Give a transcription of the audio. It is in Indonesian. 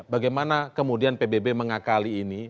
bagaimana kemudian pbb mengakali ini